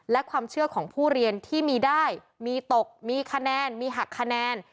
และความเชื่อของผู้เรียนที่มีได้มีตกมีคะแนนมีหักคะแนน